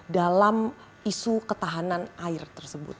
dalam isu ketahanan air tersebut